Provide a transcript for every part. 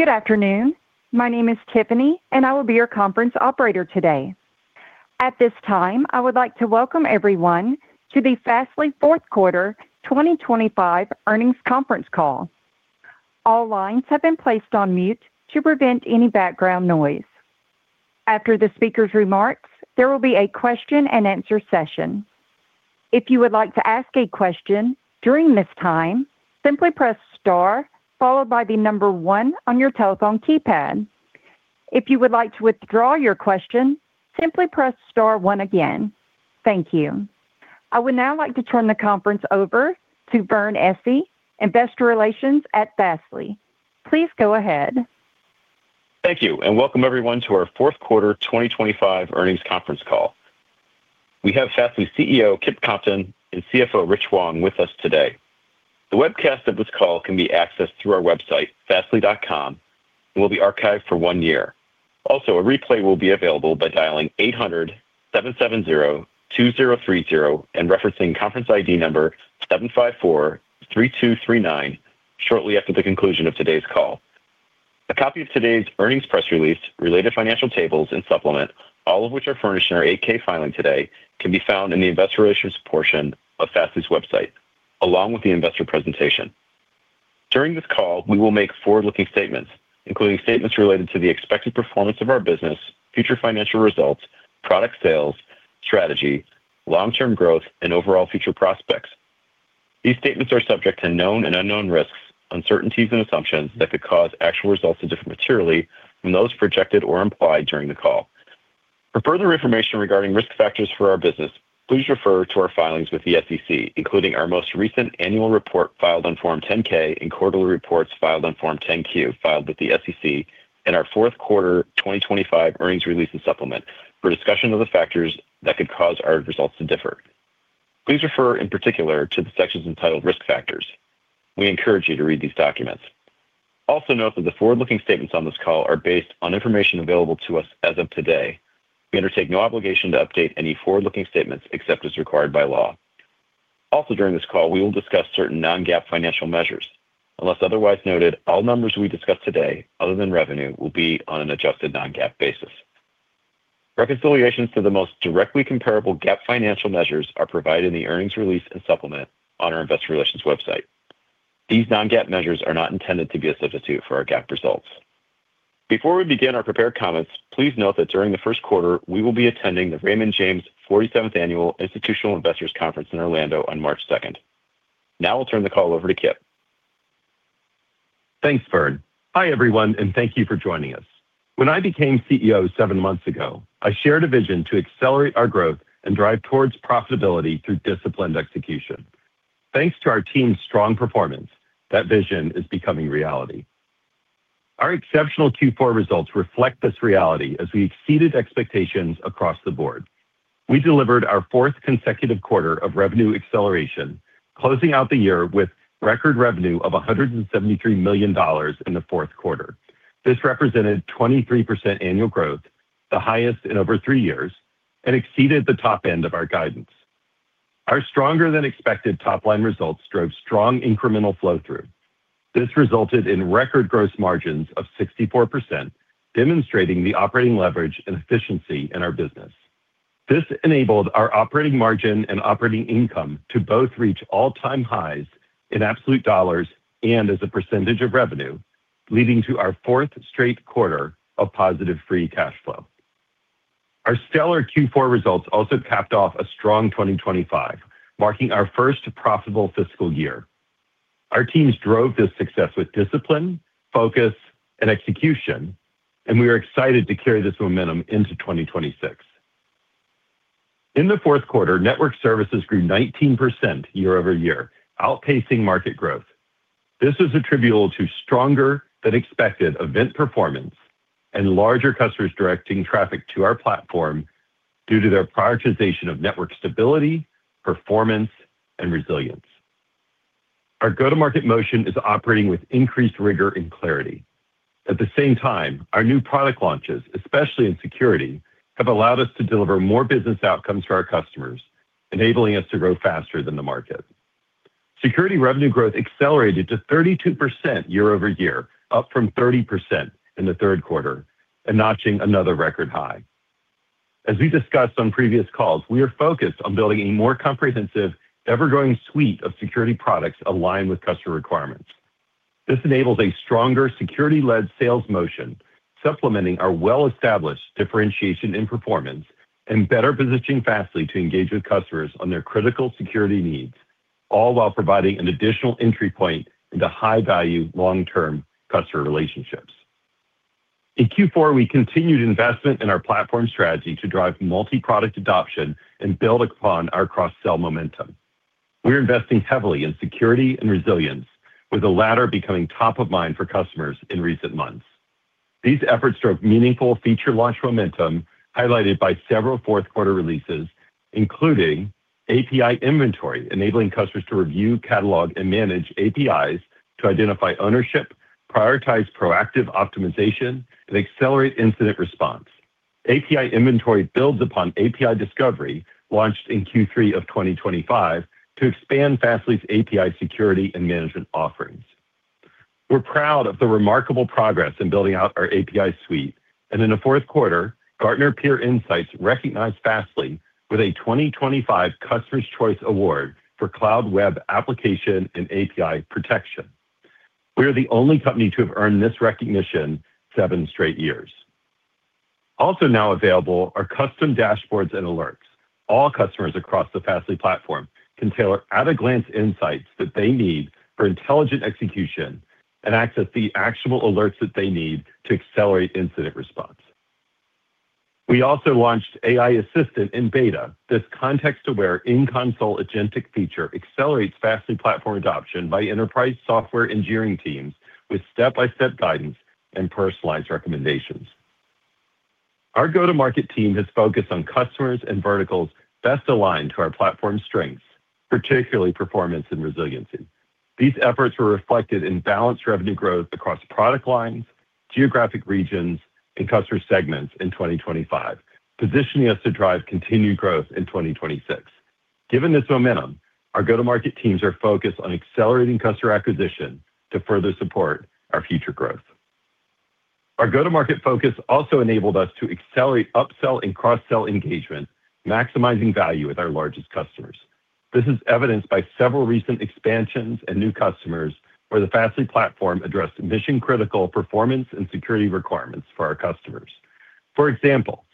Good afternoon. My name is Tiffany, and I will be your conference operator today. At this time, I would like to welcome everyone to the Fastly Fourth Quarter 2025 Earnings Conference Call. All lines have been placed on mute to prevent any background noise. After the speaker's remarks, there will be a question-and-answer session. If you would like to ask a question during this time, simply press star followed by the number one on your telephone keypad. If you would like to withdraw your question, simply press star one again. Thank you. I would now like to turn the conference over to Vern Essi, Investor Relations at Fastly. Please go ahead. Thank you, and welcome everyone to our Fourth Quarter 2025 Earnings Conference Call. We have Fastly CEO Kip Compton and CFO Rich Wong with us today. The webcast of this call can be accessed through our website, fastly.com, and will be archived for 1 year. Also, a replay will be available by dialing 800-770-2030 and referencing conference ID number 754-3239 shortly after the conclusion of today's call. A copy of today's earnings press release, related financial tables and supplement, all of which are furnished in our 8-K filing today, can be found in the Investor Relations portion of Fastly's website, along with the investor presentation. During this call, we will make forward-looking statements, including statements related to the expected performance of our business, future financial results, product sales, strategy, long-term growth, and overall future prospects. These statements are subject to known and unknown risks, uncertainties, and assumptions that could cause actual results to differ materially from those projected or implied during the call. For further information regarding risk factors for our business, please refer to our filings with the SEC, including our most recent annual report filed on Form 10-K and quarterly reports filed on Form 10-Q, filed with the SEC in our fourth quarter 2025 earnings release and supplement for discussion of the factors that could cause our results to differ. Please refer in particular to the sections entitled Risk Factors. We encourage you to read these documents. Also, note that the forward-looking statements on this call are based on information available to us as of today. We undertake no obligation to update any forward-looking statements except as required by law. Also, during this call, we will discuss certain non-GAAP financial measures. Unless otherwise noted, all numbers we discuss today other than revenue will be on an adjusted non-GAAP basis. Reconciliations to the most directly comparable GAAP financial measures are provided in the earnings release and supplement on our investor relations website. These non-GAAP measures are not intended to be a substitute for our GAAP results. Before we begin our prepared comments, please note that during the first quarter, we will be attending the Raymond James 47th Annual Institutional Investors Conference in Orlando on March 2nd. Now I'll turn the call over to Kip. Thanks, Vern. Hi, everyone, and thank you for joining us. When I became CEO seven months ago, I shared a vision to accelerate our growth and drive toward profitability through disciplined execution. Thanks to our team's strong performance, that vision is becoming reality. Our exceptional Q4 results reflect this reality as we exceeded expectations across the board. We delivered our fourth consecutive quarter of revenue acceleration, closing out the year with record revenue of $173 million in the fourth quarter. This represented 23% annual growth, the highest in over three years, and exceeded the top end of our guidance. Our stronger-than-expected top-line results drove strong incremental flow through. This resulted in record gross margins of 64%, demonstrating the operating leverage and efficiency in our business. This enabled our operating margin and operating income to both reach all-time highs in absolute dollars and as a percentage of revenue, leading to our fourth straight quarter of positive free cash flow. Our stellar Q4 results also capped off a strong 2025, marking our first profitable fiscal year. Our teams drove this success with discipline, focus, and execution, and we are excited to carry this momentum into 2026. In the fourth quarter, network services grew 19% year-over-year, outpacing market growth. This is attributable to stronger-than-expected event performance and larger customers directing traffic to our platform due to their prioritization of network stability, performance, and resilience. Our go-to-market motion is operating with increased rigor and clarity. At the same time, our new product launches, especially in security, have allowed us to deliver more business outcomes to our customers, enabling us to grow faster than the market. Security revenue growth accelerated to 32% year-over-year, up from 30% in the third quarter, and notching another record high. As we discussed on previous calls, we are focused on building a more comprehensive, ever-growing suite of security products aligned with customer requirements. This enables a stronger security-led sales motion, supplementing our well-established differentiation in performance and better positioning Fastly to engage with customers on their critical security needs, all while providing an additional entry point into high-value, long-term customer relationships. In Q4, we continued investment in our platform strategy to drive multi-product adoption and build upon our cross-sell momentum. We're investing heavily in security and resilience, with the latter becoming top of mind for customers in recent months. These efforts drove meaningful feature launch momentum, highlighted by several fourth quarter releases, including API Inventory, enabling customers to review, catalog, and manage APIs to identify ownership, prioritize proactive optimization, and accelerate incident response. API Inventory builds upon API Discovery, launched in Q3 of 2025, to expand Fastly's API security and management offerings. We're proud of the remarkable progress in building out our API suite, and in the fourth quarter, Gartner Peer Insights recognized Fastly with a 2025 Customers' Choice Award for Cloud Web Application and API Protection. We are the only company to have earned this recognition seven straight years. Also now available are custom dashboards and alerts. All customers across the Fastly platform can tailor at-a-glance insights that they need for intelligent execution and access the actionable alerts that they need to accelerate incident response. We also launched AI Assistant in beta. This context-aware, in-console agentic feature accelerates Fastly platform adoption by enterprise software engineering teams with step-by-step guidance and personalized recommendations. Our go-to-market team has focused on customers and verticals best aligned to our platform strengths, particularly performance and resiliency. These efforts were reflected in balanced revenue growth across product lines, geographic regions, and customer segments in 2025, positioning us to drive continued growth in 2026. Given this momentum, our go-to-market teams are focused on accelerating customer acquisition to further support our future growth. Our go-to-market focus also enabled us to accelerate upsell and cross-sell engagement, maximizing value with our largest customers. This is evidenced by several recent expansions and new customers, where the Fastly platform addressed mission-critical performance and security requirements for our customers. For example,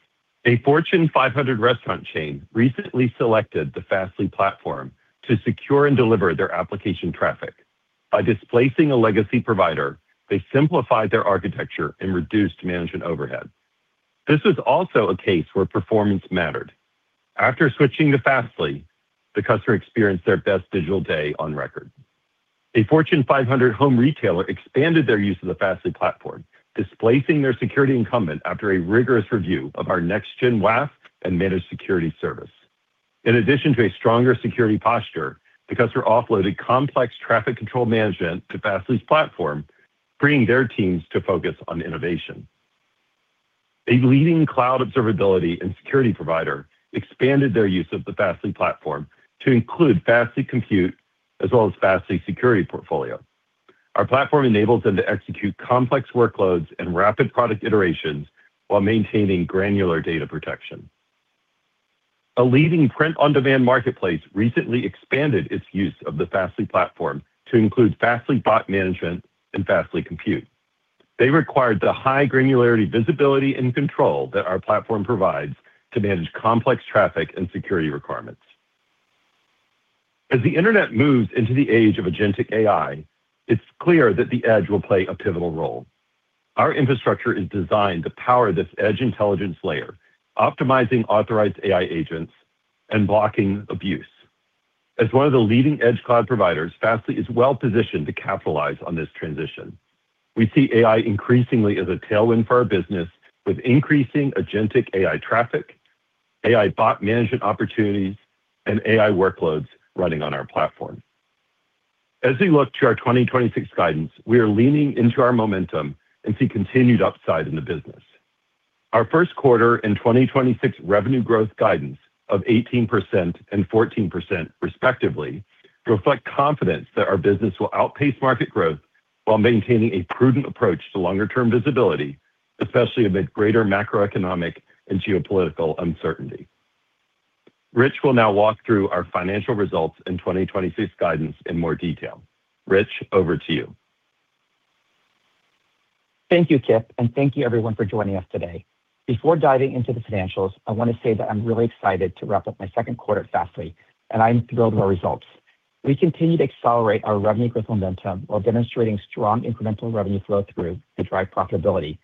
a Fortune 500 restaurant chain recently selected the Fastly platform to secure and deliver their application traffic. By displacing a legacy provider, they simplified their architecture and reduced management overhead. This was also a case where performance mattered. After switching to Fastly, the customer experienced their best digital day on record. A Fortune 500 home retailer expanded their use of the Fastly platform, displacing their security incumbent after a rigorous review of our Next-Gen WAF and Managed Security Service. In addition to a stronger security posture, the customer offloaded complex traffic control management to Fastly's platform, freeing their teams to focus on innovation. A leading cloud observability and security provider expanded their use of the Fastly platform to include Fastly Compute as well as Fastly security portfolio. Our platform enables them to execute complex workloads and rapid product iterations while maintaining granular data protection. A leading print-on-demand marketplace recently expanded its use of the Fastly platform to include Fastly Bot Management and Fastly Compute. They required the high granularity, visibility, and control that our platform provides to manage complex traffic and security requirements. As the internet moves into the age of agentic AI, it's clear that the edge will play a pivotal role. Our infrastructure is designed to power this edge intelligence layer, optimizing authorized AI agents and blocking abuse. As one of the leading-edge cloud providers, Fastly is well-positioned to capitalize on this transition. We see AI increasingly as a tailwind for our business, with increasing agentic AI traffic, AI bot management opportunities, and AI workloads running on our platform. As we look to our 2026 guidance, we are leaning into our momentum and see continued upside in the business. Our first quarter and 2026 revenue growth guidance of 18% and 14% respectively, reflect confidence that our business will outpace market growth while maintaining a prudent approach to longer-term visibility, especially amid greater macroeconomic and geopolitical uncertainty. Rich will now walk through our financial results and 2026 guidance in more detail. Rich, over to you. Thank you, Kip, and thank you, everyone, for joining us today. Before diving into the financials, I want to say that I'm really excited to wrap up my second quarter at Fastly, and I'm thrilled with our results. We continue to accelerate our revenue growth momentum while demonstrating strong incremental revenue flow-through to drive profitability.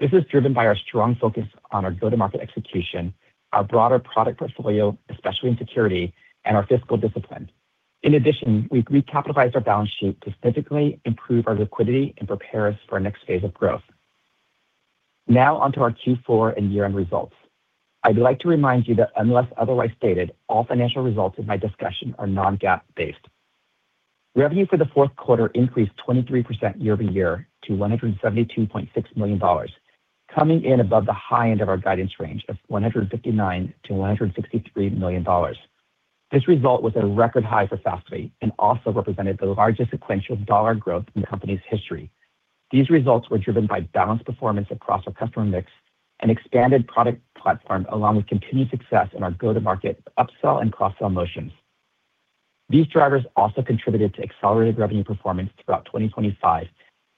This is driven by our strong focus on our go-to-market execution, our broader product portfolio, especially in security, and our fiscal discipline. In addition, we've recapitalized our balance sheet to significantly improve our liquidity and prepare us for our next phase of growth. Now on to our Q4 and year-end results. I'd like to remind you that unless otherwise stated, all financial results in my discussion are non-GAAP based. Revenue for the fourth quarter increased 23% year-over-year to $172.6 million, coming in above the high end of our guidance range of $159 million-$163 million. This result was a record high for Fastly and also represented the largest sequential dollar growth in the company's history. These results were driven by balanced performance across our customer mix and expanded product platform, along with continued success in our go-to-market, upsell, and cross-sell motions. These drivers also contributed to accelerated revenue performance throughout 2025,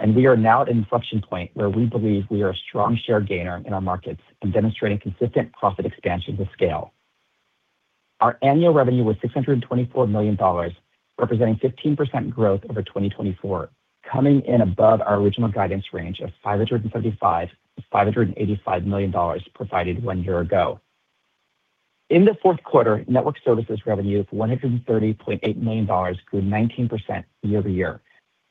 and we are now at an inflection point where we believe we are a strong share gainer in our markets and demonstrating consistent profit expansion to scale. Our annual revenue was $624 million, representing 15% growth over 2024, coming in above our original guidance range of $535 million-$585 million provided one year ago. In the fourth quarter, network services revenue of $130.8 million grew 19% year-over-year.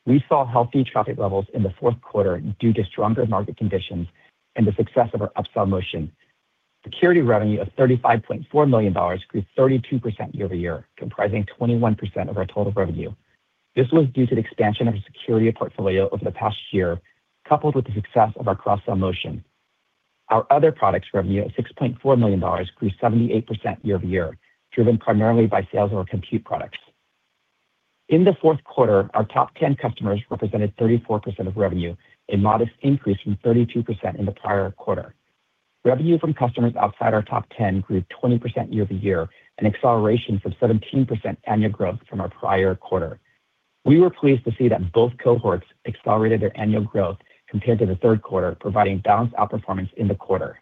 We saw healthy traffic levels in the fourth quarter due to stronger market conditions and the success of our upsell motion. Security revenue of $35.4 million grew 32% year-over-year, comprising 21% of our total revenue. This was due to the expansion of our security portfolio over the past year, coupled with the success of our cross-sell motion. Our other products revenue of $6.4 million grew 78% year-over-year, driven primarily by sales of our compute products. In the fourth quarter, our top 10 customers represented 34% of revenue, a modest increase from 32% in the prior quarter. Revenue from customers outside our top 10 grew 20% year-over-year, an acceleration from 17% annual growth from our prior quarter. We were pleased to see that both cohorts accelerated their annual growth compared to the third quarter, providing balanced outperformance in the quarter.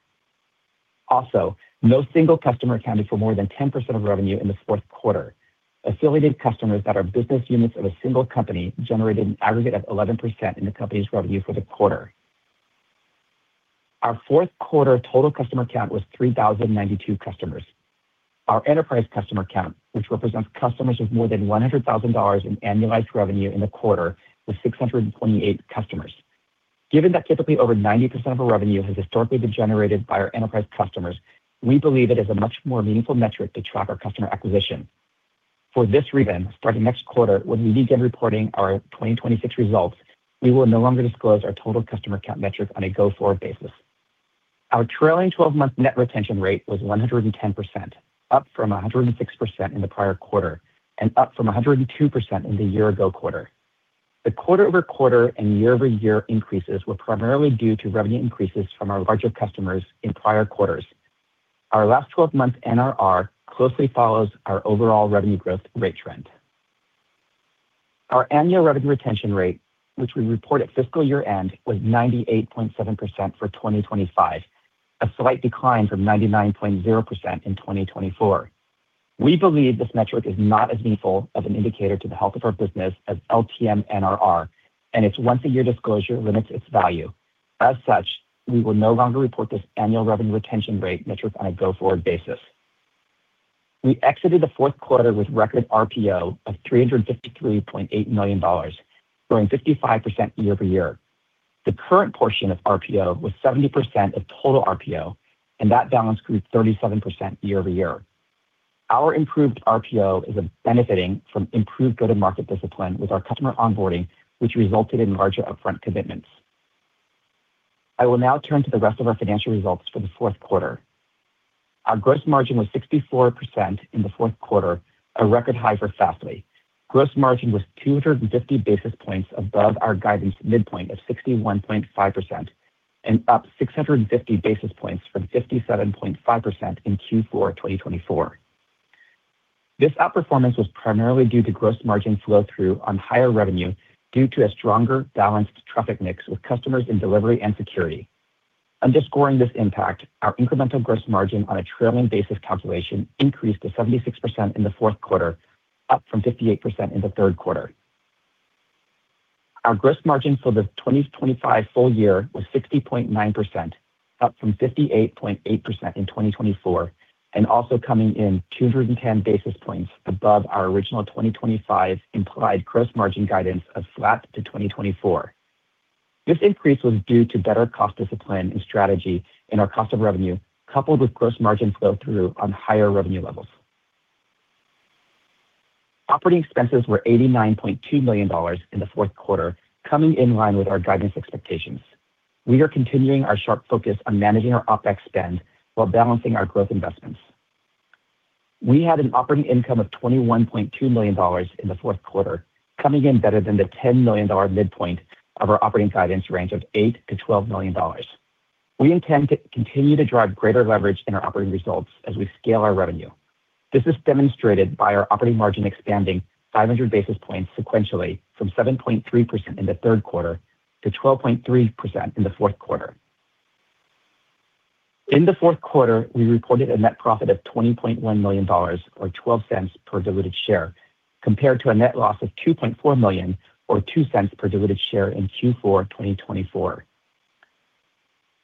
Also, no single customer accounted for more than 10% of revenue in the fourth quarter. Affiliated customers that are business units of a single company generated an aggregate of 11% in the company's revenue for the quarter. Our fourth quarter total customer count was 3,092 customers. Our enterprise customer count, which represents customers with more than $100,000 in annualized revenue in the quarter, was 628 customers. Given that typically over 90% of our revenue has historically been generated by our enterprise customers, we believe it is a much more meaningful metric to track our customer acquisition. For this reason, starting next quarter, when we begin reporting our 2026 results, we will no longer disclose our total customer count metric on a go-forward basis. Our trailing 12-month net retention rate was 110%, up from 106% in the prior quarter and up from 102% in the year-ago quarter. The quarter-over-quarter and year-over-year increases were primarily due to revenue increases from our larger customers in prior quarters. Our last 12-month NRR closely follows our overall revenue growth rate trend. Our annual revenue retention rate, which we report at fiscal year-end, was 98.7% for 2025, a slight decline from 99.0% in 2024. We believe this metric is not as meaningful of an indicator to the health of our business as LTM NRR, and its once-a-year disclosure limits its value. As such, we will no longer report this annual revenue retention rate metric on a go-forward basis. We exited the fourth quarter with record RPO of $353.8 million, growing 55% year-over-year. The current portion of RPO was 70% of total RPO, and that balance grew 37% year-over-year. Our improved RPO is benefiting from improved go-to-market discipline with our customer onboarding, which resulted in larger upfront commitments. I will now turn to the rest of our financial results for the fourth quarter. Our gross margin was 64% in the fourth quarter, a record high for Fastly. Gross margin was 250 basis points above our guidance midpoint of 61.5% and up 650 basis points from 57.5% in Q4 2024. This outperformance was primarily due to gross margin flow-through on higher revenue due to a stronger, balanced traffic mix with customers in delivery and security. Underscoring this impact, our incremental gross margin on a trailing basis calculation increased to 76% in the fourth quarter, up from 58% in the third quarter. Our gross margin for the 2025 full year was 60.9%, up from 58.8% in 2024, and also coming in 210 basis points above our original 2025 implied gross margin guidance of flat to 2024. This increase was due to better cost discipline and strategy in our cost of revenue, coupled with gross margin flow-through on higher revenue levels. Operating expenses were $89.2 million in the fourth quarter, coming in line with our guidance expectations. We are continuing our sharp focus on managing our OpEx spend while balancing our growth investments. We had an operating income of $21.2 million in the fourth quarter, coming in better than the $10 million midpoint of our operating guidance range of $8 million-$12 million. We intend to continue to drive greater leverage in our operating results as we scale our revenue. This is demonstrated by our operating margin expanding 500 basis points sequentially from 7.3% in the third quarter to 12.3% in the fourth quarter. In the fourth quarter, we reported a net profit of $20.1 million, or $0.12 per diluted share, compared to a net loss of $2.4 million, or $0.02 per diluted share in Q4 2024.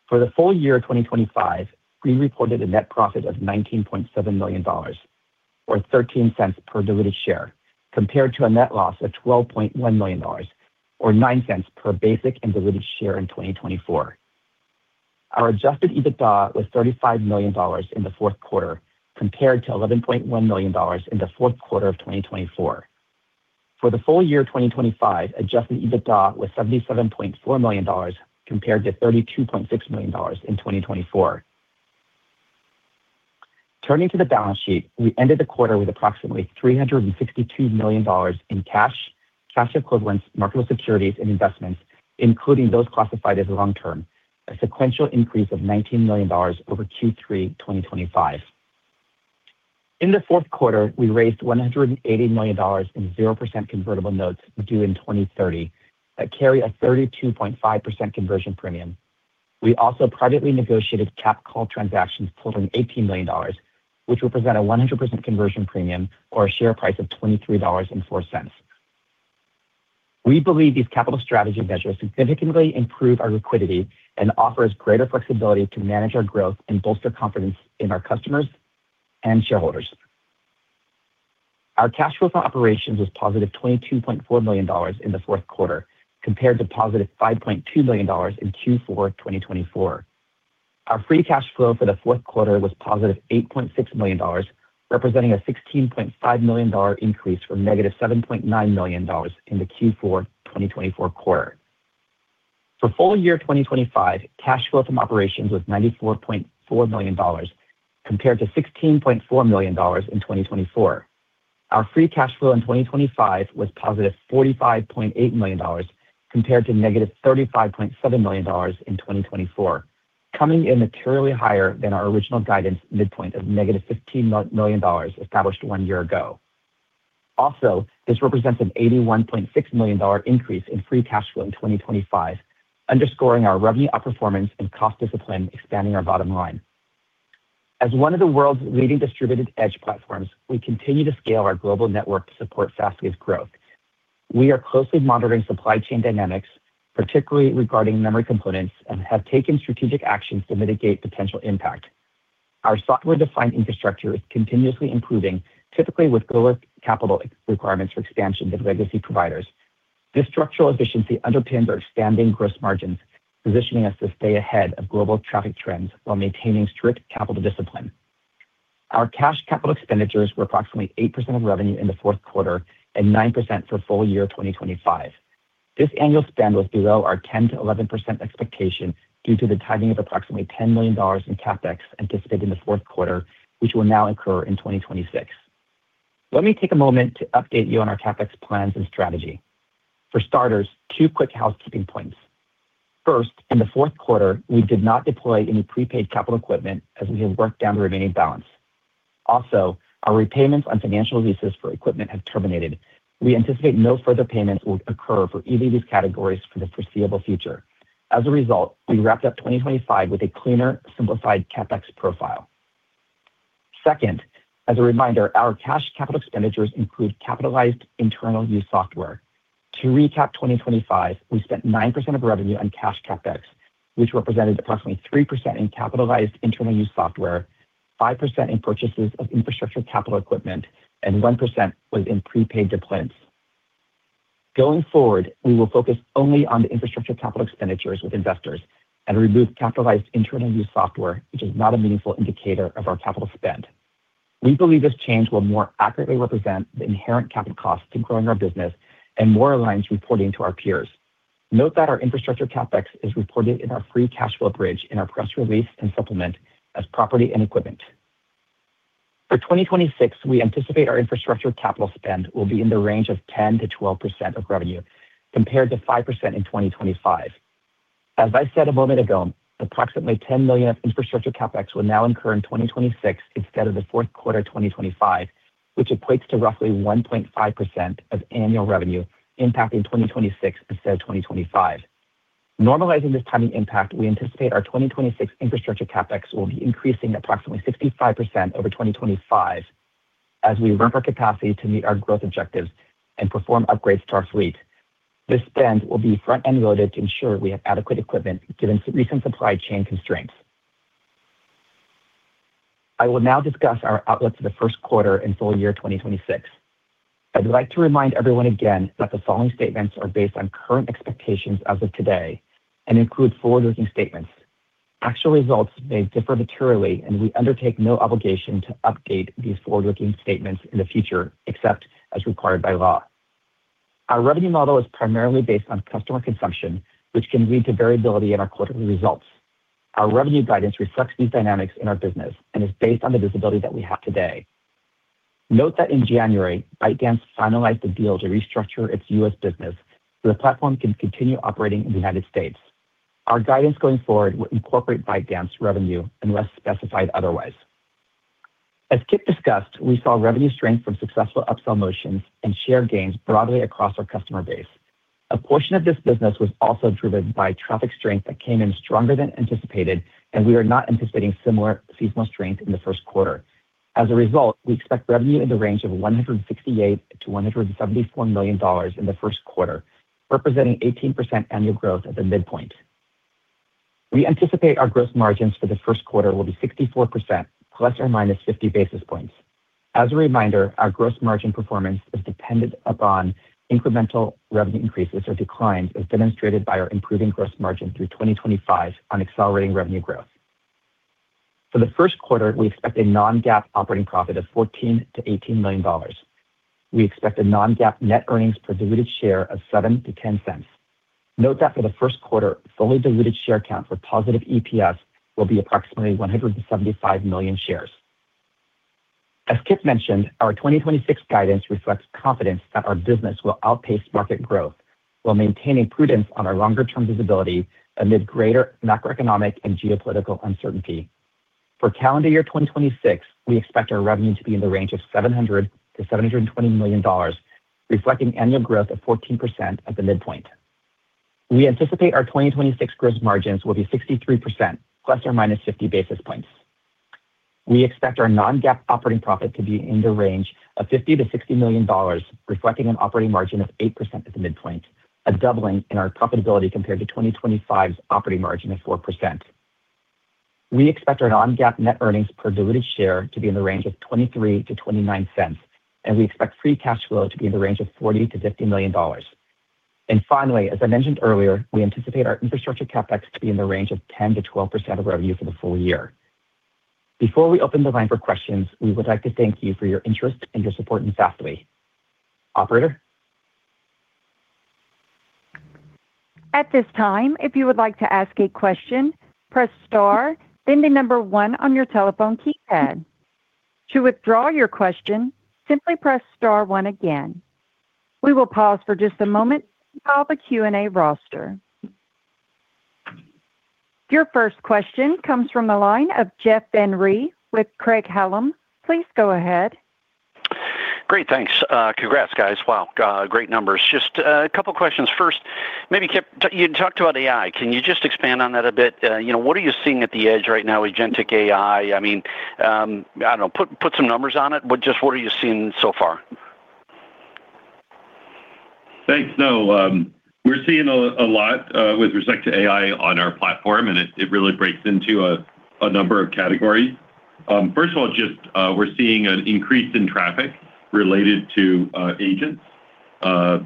For the full year 2025, we reported a net profit of $19.7 million, or $0.13 per diluted share, compared to a net loss of $12.1 million, or $0.09 per basic and diluted share in 2024. Our adjusted EBITDA was $35 million in the fourth quarter, compared to $11.1 million in the fourth quarter of 2024. For the full year 2025, adjusted EBITDA was $77.4 million, compared to $32.6 million in 2024. Turning to the balance sheet, we ended the quarter with approximately $362 million in cash, cash equivalents, marketable securities, and investments, including those classified as long-term, a sequential increase of $19 million over Q3 2025. In the fourth quarter, we raised $180 million in 0% convertible notes due in 2030 that carry a 32.5% conversion premium. We also privately negotiated cap call transactions totaling $18 million, which represent a 100% conversion premium or a share price of $23.04. We believe these capital strategy measures significantly improve our liquidity and offers greater flexibility to manage our growth and bolster confidence in our customers and shareholders. Our cash flow from operations was positive $22.4 million in the fourth quarter, compared to positive $5.2 million in Q4 2024. Our free cash flow for the fourth quarter was positive $8.6 million, representing a $16.5 million increase from negative $7.9 million in the Q4 2024 quarter. For full year 2025, cash flow from operations was $94.4 million, compared to $16.4 million in 2024. Our free cash flow in 2025 was $45.8 million, compared to -$35.7 million in 2024, coming in materially higher than our original guidance midpoint of -$15 million established one year ago. Also, this represents an $81.6 million increase in free cash flow in 2025, underscoring our revenue outperformance and cost discipline, expanding our bottom line. As one of the world's leading distributed edge platforms, we continue to scale our global network to support Fastly's growth. We are closely monitoring supply chain dynamics, particularly regarding memory components, and have taken strategic actions to mitigate potential impact. Our software-defined infrastructure is continuously improving, typically with lower capital requirements for expansion than legacy providers. This structural efficiency underpins our expanding gross margins, positioning us to stay ahead of global traffic trends while maintaining strict capital discipline. Our cash capital expenditures were approximately 8% of revenue in the fourth quarter and 9% for full year 2025. This annual spend was below our 10%-11% expectation due to the timing of approximately $10 million in CapEx anticipated in the fourth quarter, which will now incur in 2026. Let me take a moment to update you on our CapEx plans and strategy. For starters, two quick housekeeping points. First, in the fourth quarter, we did not deploy any prepaid capital equipment as we have worked down the remaining balance. Also, our repayments on financial leases for equipment have terminated. We anticipate no further payments will occur for either of these categories for the foreseeable future. As a result, we wrapped up 2025 with a cleaner, simplified CapEx profile. Second, as a reminder, our cash capital expenditures include capitalized internal-use software. To recap 2025, we spent 9% of revenue on cash CapEx, which represented approximately 3% in capitalized internal use software, 5% in purchases of infrastructure capital equipment, and 1% was in prepaid deployments. Going forward, we will focus only on the infrastructure capital expenditures with investors and remove capitalized internal use software, which is not a meaningful indicator of our capital spend. We believe this change will more accurately represent the inherent capital costs to growing our business and more aligns reporting to our peers. Note that our infrastructure CapEx is reported in our free cash flow bridge in our press release and supplement as property and equipment. For 2026, we anticipate our infrastructure capital spend will be in the range of 10%-12% of revenue, compared to 5% in 2025. As I said a moment ago, approximately $10 million of infrastructure CapEx will now incur in 2026 instead of the fourth quarter of 2025, which equates to roughly 1.5% of annual revenue, impacting 2026 instead of 2025. Normalizing this timing impact, we anticipate our 2026 infrastructure CapEx will be increasing approximately 65% over 2025 as we ramp our capacity to meet our growth objectives and perform upgrades to our fleet. This spend will be front-end loaded to ensure we have adequate equipment, given recent supply chain constraints. I will now discuss our outlook for the first quarter and full year 2026. I'd like to remind everyone again that the following statements are based on current expectations as of today and include forward-looking statements. Actual results may differ materially, and we undertake no obligation to update these forward-looking statements in the future, except as required by law. Our revenue model is primarily based on customer consumption, which can lead to variability in our quarterly results. Our revenue guidance reflects these dynamics in our business and is based on the visibility that we have today. Note that in January, ByteDance finalized a deal to restructure its U.S. business so the platform can continue operating in the United States. Our guidance going forward will incorporate ByteDance revenue unless specified otherwise. As Kip discussed, we saw revenue strength from successful upsell motions and share gains broadly across our customer base. A portion of this business was also driven by traffic strength that came in stronger than anticipated, and we are not anticipating similar seasonal strength in the first quarter. As a result, we expect revenue in the range of $168 million-$174 million in the first quarter, representing 18% annual growth at the midpoint. We anticipate our gross margins for the first quarter will be 64%, ±50 basis points. As a reminder, our gross margin performance is dependent upon incremental revenue increases or declines, as demonstrated by our improving gross margin through 2025 on accelerating revenue growth. For the first quarter, we expect a non-GAAP operating profit of $14 million-$18 million. We expect a non-GAAP net earnings per diluted share of $0.07-$0.10. Note that for the first quarter, fully diluted share count for positive EPS will be approximately 175 million shares. As Kip mentioned, our 2026 guidance reflects confidence that our business will outpace market growth while maintaining prudence on our longer-term visibility amid greater macroeconomic and geopolitical uncertainty. For calendar year 2026, we expect our revenue to be in the range of $700 million-$720 million, reflecting annual growth of 14% at the midpoint. We anticipate our 2026 gross margins will be 63%, ±50 basis points. We expect our non-GAAP operating profit to be in the range of $50 million-$60 million, reflecting an operating margin of 8% at the midpoint, a doubling in our profitability compared to 2025's operating margin of 4%. We expect our non-GAAP net earnings per diluted share to be in the range of $0.23-$0.29, and we expect free cash flow to be in the range of $40 million-$50 million. And finally, as I mentioned earlier, we anticipate our infrastructure CapEx to be in the range of 10%-12% of revenue for the full year. Before we open the line for questions, we would like to thank you for your interest and your support in Fastly. Operator? At this time, if you would like to ask a question, press star, then the number one on your telephone keypad. To withdraw your question, simply press star one again. We will pause for just a moment to call the Q&A roster. Your first question comes from the line of Jeff Van Rhee with Craig-Hallum. Please go ahead. Great, thanks. Congrats, guys. Wow, great numbers. Just a couple questions. First, maybe Kip, you talked about AI. Can you just expand on that a bit? You know, what are you seeing at the edge right now with agentic AI? I mean, I don't know, put some numbers on it, but just what are you seeing so far? Thanks. No, we're seeing a lot with respect to AI on our platform, and it really breaks into a number of categories. First of all, just, we're seeing an increase in traffic related to agents. I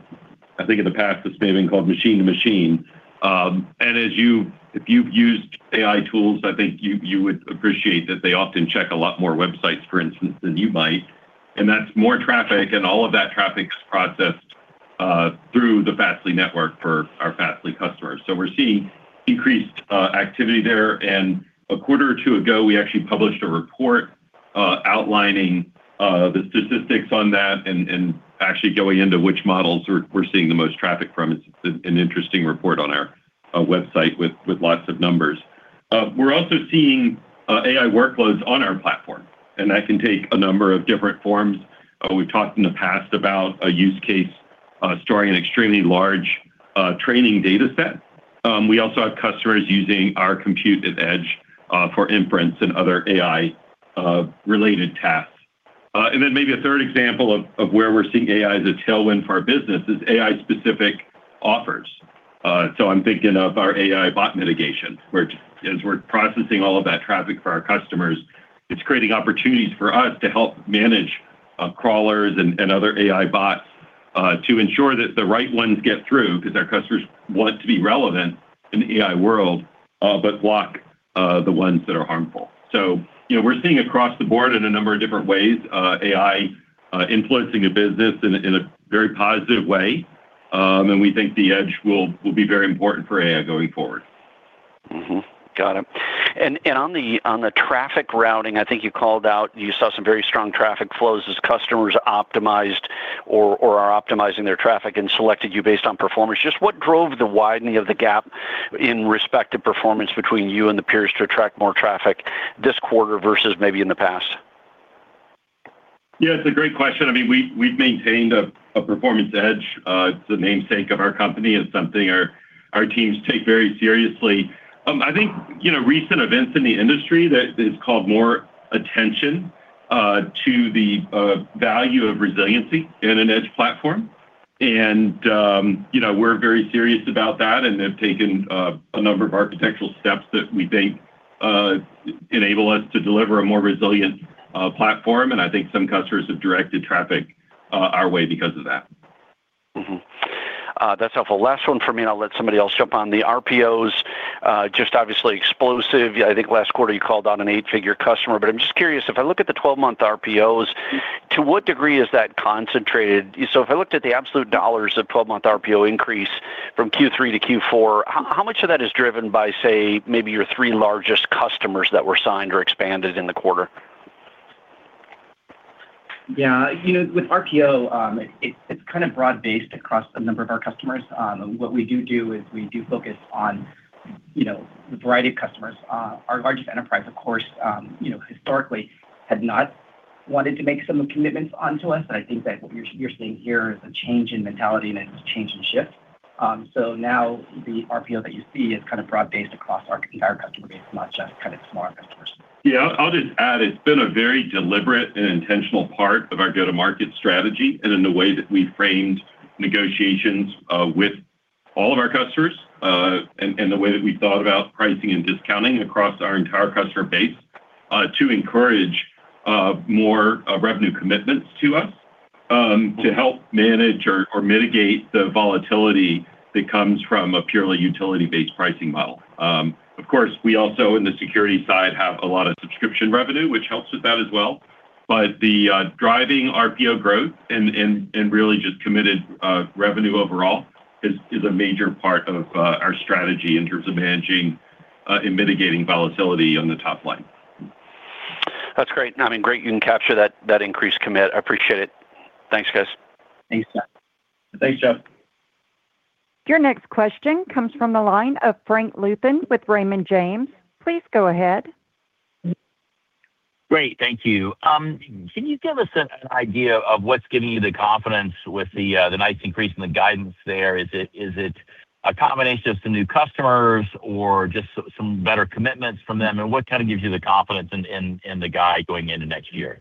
think in the past, this may have been called machine-to-machine. And as you, if you've used AI tools, I think you would appreciate that they often check a lot more websites, for instance, than you might, and that's more traffic, and all of that traffic is processed through the Fastly network for our Fastly customers. So we're seeing increased activity there. And a quarter or two ago, we actually published a report outlining the statistics on that and actually going into which models we're seeing the most traffic from. It's an interesting report on our website with, with lots of numbers. We're also seeing AI workloads on our platform, and that can take a number of different forms. We've talked in the past about a use case, storing an extremely large training data set. We also have customers using our Compute@Edge for inference and other AI-related tasks. And then maybe a third example of, of where we're seeing AI as a tailwind for our business is AI-specific offers. So I'm thinking of our AI bot mitigation, whereas we're processing all of that traffic for our customers, it's creating opportunities for us to help manage crawlers and other AI bots to ensure that the right ones get through, because our customers want to be relevant in the AI world, but block the ones that are harmful. So, you know, we're seeing across the board in a number of different ways AI influencing the business in a very positive way, and we think the edge will be very important for AI going forward. Got it. And on the traffic routing, I think you called out you saw some very strong traffic flows as customers optimized or are optimizing their traffic and selected you based on performance. Just what drove the widening of the gap in respect to performance between you and the peers to attract more traffic this quarter versus maybe in the past? Yeah, it's a great question. I mean, we, we've maintained a, a performance edge. It's the namesake of our company. It's something our, our teams take very seriously. I think, you know, recent events in the industry that has called more attention to the value of resiliency in an edge platform. And, you know, we're very serious about that and have taken a number of architectural steps that we think enable us to deliver a more resilient platform, and I think some customers have directed traffic our way because of that. That's helpful. Last one from me, and I'll let somebody else jump on. The RPOs, just obviously explosive. I think last quarter you called out an eight-figure customer. But I'm just curious, if I look at the 12-month RPOs, to what degree is that concentrated? So if I looked at the absolute dollars of 12-month RPO increase from Q3-Q4, how much of that is driven by, say, maybe your three largest customers that were signed or expanded in the quarter? Yeah, you know, with RPO, it, it's kind of broad-based across a number of our customers. What we do do is we do focus on, you know, the variety of customers. Our largest enterprise, of course, you know, historically had not wanted to make some commitments onto us, but I think that what you're, you're seeing here is a change in mentality, and it's a change in shift. So now the RPO that you see is kind of broad-based across our entire customer base, not just kind of smart customers. Yeah. I'll just add, it's been a very deliberate and intentional part of our go-to-market strategy and in the way that we framed negotiations with all of our customers, and the way that we thought about pricing and discounting across our entire customer base to encourage more revenue commitments to us, to help manage or mitigate the volatility that comes from a purely utility-based pricing model. Of course, we also, in the security side, have a lot of subscription revenue, which helps with that as well. But the driving RPO growth and really just committed revenue overall is a major part of our strategy in terms of managing and mitigating volatility on the top line. That's great. I mean, great, you can capture that, that increased commit. I appreciate it. Thanks, guys. Thanks, Jeff. Thanks, Jeff. Your next question comes from the line of Frank Louthan with Raymond James. Please go ahead. Great. Thank you. Can you give us an idea of what's giving you the confidence with the, the nice increase in the guidance there? Is it, is it a combination of some new customers or just some, some better commitments from them? And what kind of gives you the confidence in, in, in the guide going into next year?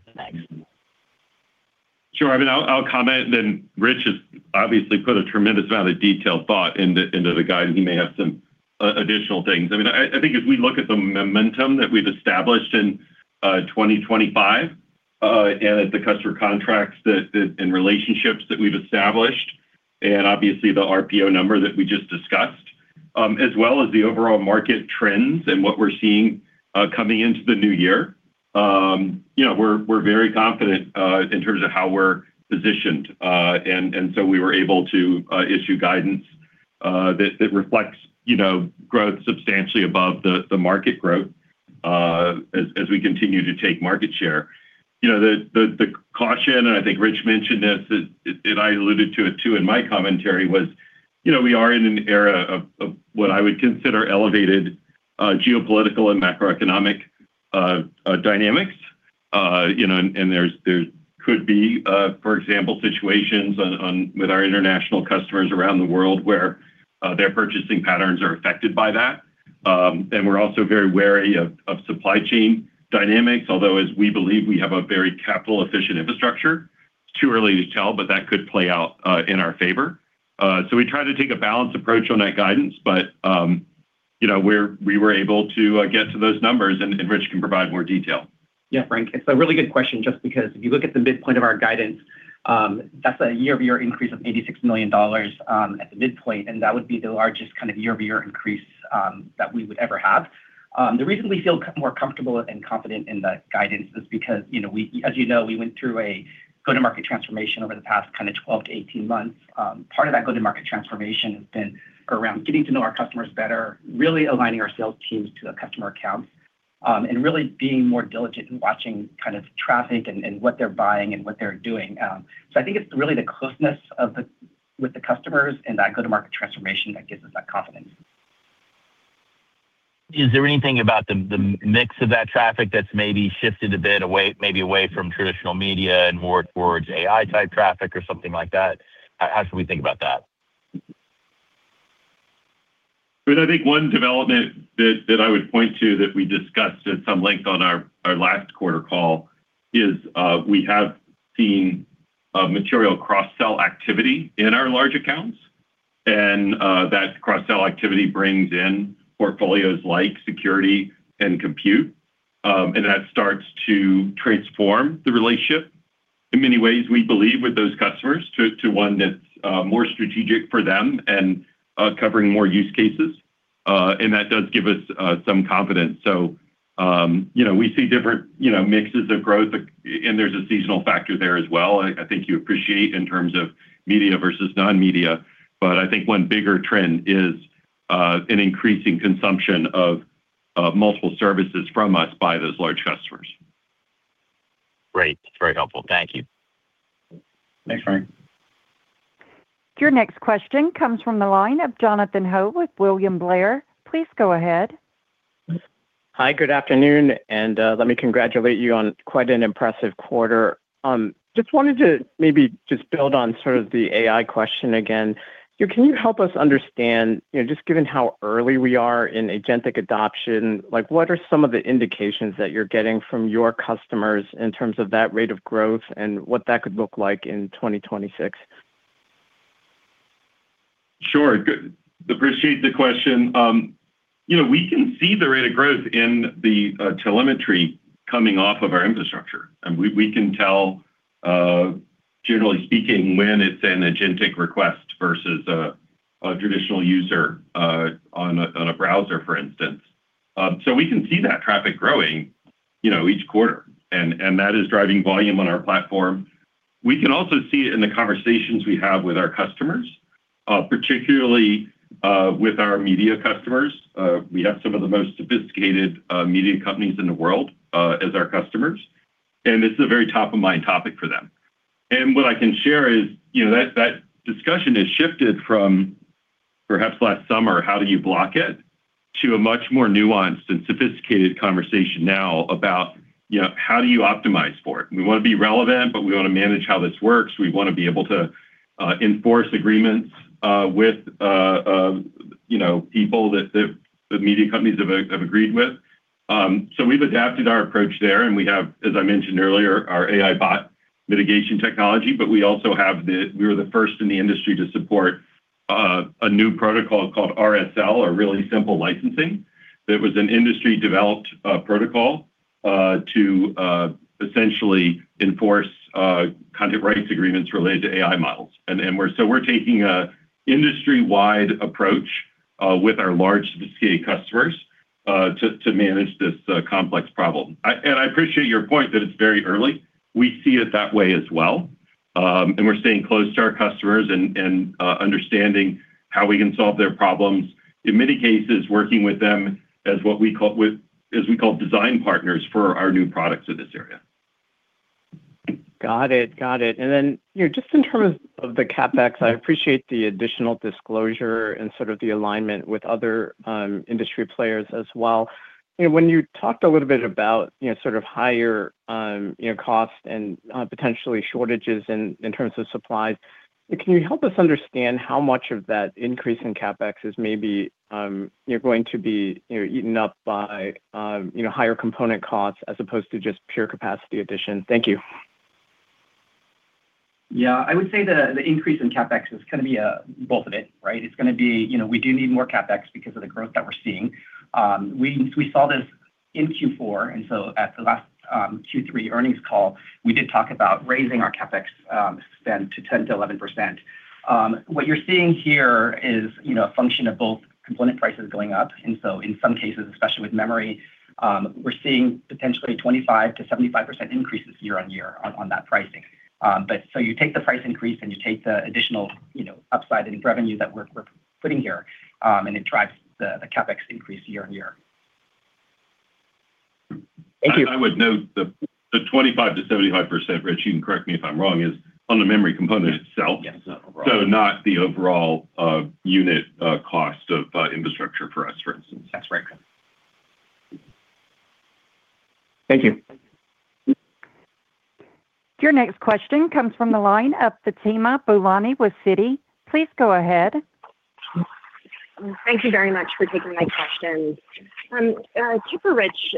Thanks. Sure. I mean, I'll comment, and then Rich has obviously put a tremendous amount of detailed thought into the guide, and he may have some additional things. I mean, I think as we look at the momentum that we've established in 2025, and at the customer contracts that and relationships that we've established, and obviously the RPO number that we just discussed, as well as the overall market trends and what we're seeing coming into the new year, you know, we're very confident in terms of how we're positioned. And so we were able to issue guidance that reflects, you know, growth substantially above the market growth, as we continue to take market share. You know, the caution, and I think Rich mentioned this, and I alluded to it, too, in my commentary, was, you know, we are in an era of what I would consider elevated geopolitical and macroeconomic dynamics. You know, and there could be, for example, situations with our international customers around the world where their purchasing patterns are affected by that. And we're also very wary of supply chain dynamics, although, as we believe, we have a very capital-efficient infrastructure. It's too early to tell, but that could play out in our favor. So we try to take a balanced approach on that guidance, but, you know, we were able to get to those numbers, and Rich can provide more detail. Yeah, Frank, it's a really good question, just because if you look at the midpoint of our guidance, that's a year-over-year increase of $86 million at the midpoint, and that would be the largest kind of year-over-year increase that we would ever have. The reason we feel more comfortable and confident in that guidance is because, you know, as you know, we went through a go-to-market transformation over the past kind of 12-18 months. Part of that go-to-market transformation has been around getting to know our customers better, really aligning our sales teams to a customer account, and really being more diligent in watching kind of traffic and what they're buying and what they're doing. So I think it's really the closeness with the customers and that go-to-market transformation that gives us that confidence. Is there anything about the mix of that traffic that's maybe shifted a bit away, maybe away from traditional media and more towards AI-type traffic or something like that? How should we think about that? Well, I think one development that I would point to that we discussed at some length on our last quarter call is we have seen material cross-sell activity in our large accounts, and that cross-sell activity brings in portfolios like security and compute. And that starts to transform the relationship in many ways, we believe, with those customers to one that's more strategic for them and covering more use cases, and that does give us some confidence. So, you know, we see different mixes of growth, and there's a seasonal factor there as well. I think you appreciate in terms of media versus non-media, but I think one bigger trend is an increasing consumption of multiple services from us by those large customers. Great. That's very helpful. Thank you. Thanks, Frank. Your next question comes from the line of Jonathan Ho with William Blair. Please go ahead. Hi, good afternoon, and let me congratulate you on quite an impressive quarter. Just wanted to maybe just build on sort of the AI question again. Can you help us understand, you know, just given how early we are in agentic adoption, like, what are some of the indications that you're getting from your customers in terms of that rate of growth and what that could look like in 2026? Sure. Good, appreciate the question. You know, we can see the rate of growth in the telemetry coming off of our infrastructure, and we can tell, generally speaking, when it's an agentic request versus a traditional user on a browser, for instance. So we can see that traffic growing, you know, each quarter, and that is driving volume on our platform. We can also see it in the conversations we have with our customers, particularly with our media customers. We have some of the most sophisticated media companies in the world as our customers, and this is a very top-of-mind topic for them. And what I can share is, you know, that, that discussion has shifted from perhaps last summer, "How do you block it?" to a much more nuanced and sophisticated conversation now about, you know, "How do you optimize for it? We want to be relevant, but we want to manage how this works. We want to be able to enforce agreements with people that the media companies have agreed with." So we've adapted our approach there, and we have, as I mentioned earlier, our AI bot mitigation technology, but we also have we were the first in the industry to support a new protocol called RSL, or Really Simple Licensing. That was an industry-developed protocol to essentially enforce content rights agreements related to AI models. So we're taking an industry-wide approach with our large sophisticated customers to manage this complex problem. I appreciate your point that it's very early. We see it that way as well, and we're staying close to our customers and understanding how we can solve their problems. In many cases, working with them as what we call design partners for our new products in this area. Got it. Got it. And then, you know, just in terms of the CapEx, I appreciate the additional disclosure and sort of the alignment with other, industry players as well. You know, when you talked a little bit about, you know, sort of higher, you know, cost and, potentially shortages in, in terms of supplies. Can you help us understand how much of that increase in CapEx is maybe, you're going to be, you know, eaten up by, you know, higher component costs as opposed to just pure capacity addition? Thank you. Yeah. I would say that the increase in CapEx is going to be a both of it, right? It's going to be—You know, we do need more CapEx because of the growth that we're seeing. We saw this in Q4, and so at the last Q3 earnings call, we did talk about raising our CapEx spend to 10%-11%. What you're seeing here is, you know, a function of both component prices going up, and so in some cases, especially with memory, we're seeing potentially 25%-75% increases year-on-year on that pricing. But so you take the price increase, and you take the additional, you know, upside in revenue that we're putting here, and it drives the CapEx increase year-on-year. Thank you. I would note the 25%-75%, Rich, you can correct me if I'm wrong, is on the memory component itself? Yes, overall. Not the overall unit cost of infrastructure for us, for instance. That's right. Thank you. Your next question comes from the line of Fatima Boolani with Citi. Please go ahead. Thank you very much for taking my questions. Keep it, Rich,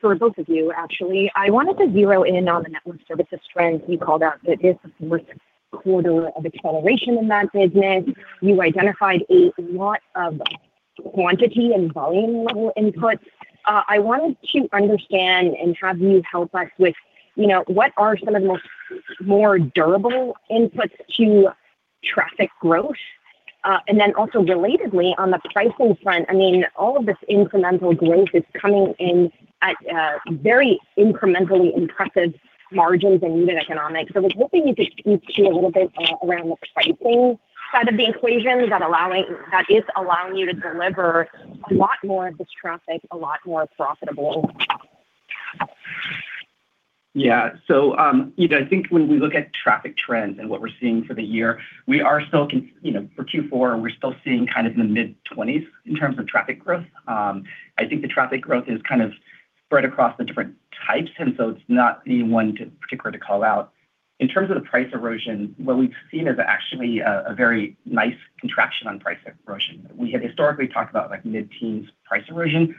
for both of you, actually. I wanted to zero in on the network services strength you called out. It is the first quarter of acceleration in that business. You identified a lot of quantity and volume-level inputs. I wanted to understand and have you help us with, you know, what are some of the most more durable inputs to traffic growth? And then also, relatedly, on the pricing front, I mean, all of this incremental growth is coming in at, very incrementally impressive margins and unit economics. I was hoping you could speak to a little bit, around the pricing side of the equation that allowing, that is allowing you to deliver a lot more of this traffic, a lot more profitable. Yeah. So, you know, I think when we look at traffic trends and what we're seeing for the year, we are still you know, for Q4, we're still seeing kind of in the mid-20s in terms of traffic growth. I think the traffic growth is kind of spread across the different types, and so it's not any one particular to call out. In terms of the price erosion, what we've seen is actually a very nice contraction on price erosion. We had historically talked about, like, mid-teens price erosion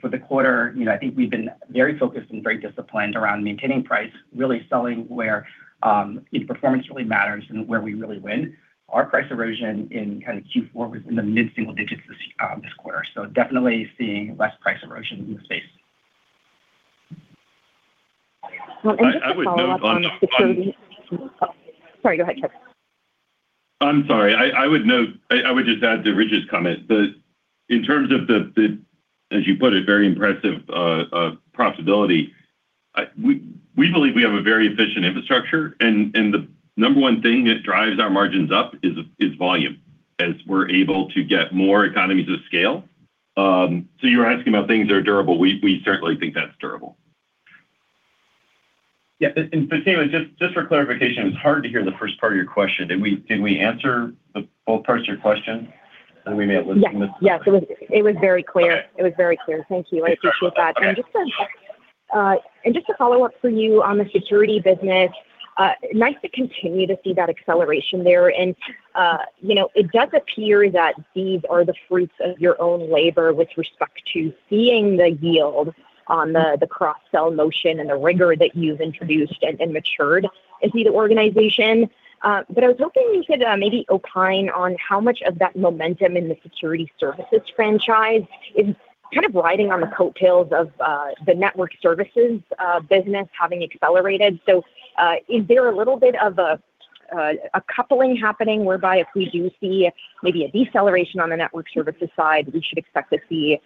for the quarter. You know, I think we've been very focused and very disciplined around maintaining price, really selling where its performance really matters and where we really win. Our price erosion in kind of Q4 was in the mid-single digits this quarter. So definitely seeing less price erosion in the space. Well, and just to follow up on the- I would note on. Sorry, go ahead. I'm sorry. I would note... I would just add to Rich's comment that in terms of the, as you put it, very impressive profitability, we believe we have a very efficient infrastructure, and the number one thing that drives our margins up is volume, as we're able to get more economies of scale. So you were asking about things that are durable. We certainly think that's durable. Yeah, and Fatima, just for clarification, it was hard to hear the first part of your question. Did we answer the both parts of your question? I mean, I was. Yes. Yes, it was, it was very clear. Okay. It was very clear. Thank you. I appreciate that. And just to, and just to follow up for you on the security business, nice to continue to see that acceleration there. And, you know, it does appear that these are the fruits of your own labor with respect to seeing the yield on the, the cross-sell motion and the rigor that you've introduced and, and matured in the organization. But I was hoping you could, maybe opine on how much of that momentum in the security services franchise is kind of riding on the coattails of, the network services, business having accelerated. So, is there a little bit of a coupling happening whereby if we do see maybe a deceleration on the network services side, we should expect to see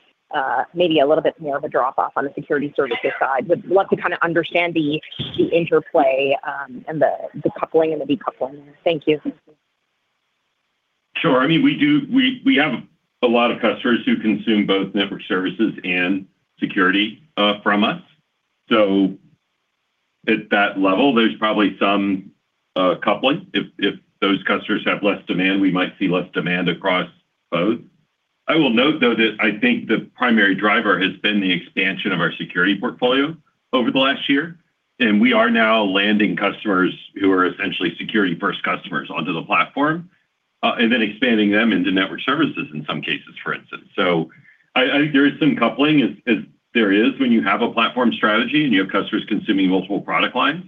maybe a little bit more of a drop-off on the security services side? Would love to kind of understand the interplay and the coupling and the decoupling. Thank you. Sure. I mean, we do—we have a lot of customers who consume both network services and security from us. So at that level, there's probably some coupling. If those customers have less demand, we might see less demand across both. I will note, though, that I think the primary driver has been the expansion of our security portfolio over the last year, and we are now landing customers who are essentially security-first customers onto the platform, and then expanding them into network services in some cases, for instance. So I think there is some coupling, as there is when you have a platform strategy and you have customers consuming multiple product lines.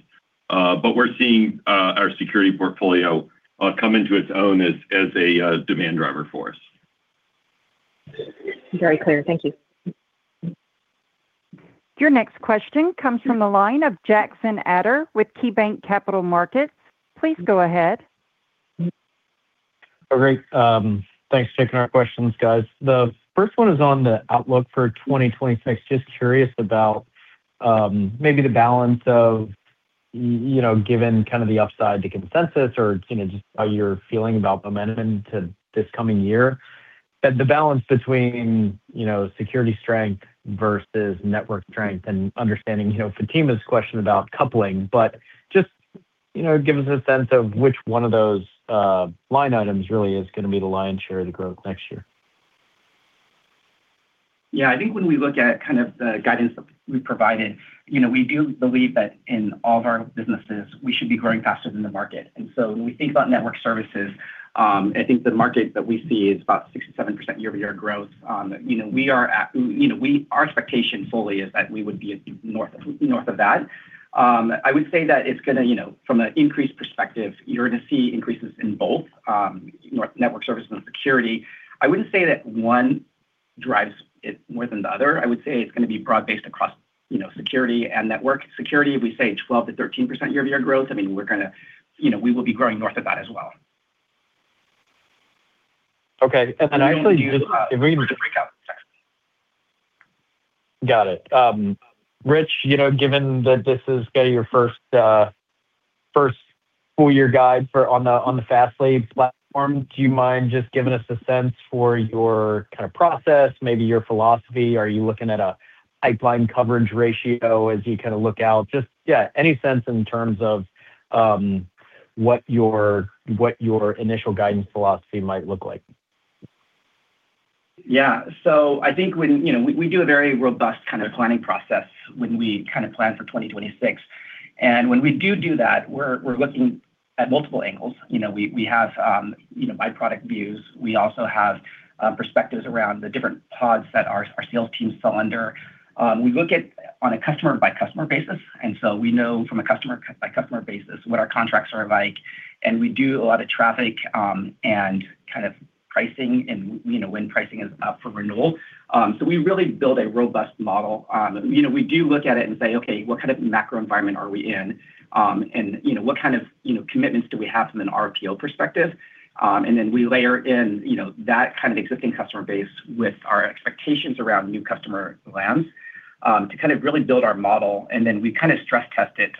But we're seeing our security portfolio come into its own as a demand driver for us. Very clear. Thank you. Your next question comes from the line of Jackson Ader with KeyBanc Capital Markets. Please go ahead. All right. Thanks for taking our questions, guys. The first one is on the outlook for 2026. Just curious about, maybe the balance of, you know, given kind of the upside, the consensus or, you know, just how you're feeling about momentum to this coming year. But the balance between, you know, security strength versus network strength and understanding, you know, Fatima's question about coupling, but just, you know, give us a sense of which one of those, line items really is going to be the lion's share of the growth next year. Yeah, I think when we look at kind of the guidance that we've provided, you know, we do believe that in all of our businesses, we should be growing faster than the market. And so when we think about network services, I think the market that we see is about 67% year-over-year growth. You know, we, our expectation fully is that we would be at north of that. I would say that it's gonna, you know, from an increased perspective, you're gonna see increases in both network services and security. I wouldn't say that one drives it more than the other. I would say it's gonna be broad-based across, you know, security and network. Security, we say 12%-13% year-over-year growth. I mean, we're gonna, you know, we will be growing north of that as well. Okay, and then I saw you- Just to break out. Got it. Rich, you know, given that this is kinda your first full year guide for on the Fastly platform, do you mind just giving us a sense for your kinda process, maybe your philosophy? Are you looking at a pipeline coverage ratio as you kinda look out? Just, yeah, any sense in terms of what your initial guidance philosophy might look like? Yeah. So I think when you know, we do a very robust kind of planning process when we kind of plan for 2026. And when we do that, we're looking at multiple angles. You know, we have by product views. We also have perspectives around the different pods that our sales teams sell under. We look at on a customer-by-customer basis, and so we know from a customer-by-customer basis what our contracts are like, and we do a lot of traffic and kind of pricing and, you know, when pricing is up for renewal. So we really build a robust model. You know, we do look at it and say, "Okay, what kind of macro environment are we in? And, you know, what kind of, you know, commitments do we have from an RPO perspective?" And then we layer in, you know, that kind of existing customer base with our expectations around new customer lands, to kind of really build our model, and then we kinda stress test it,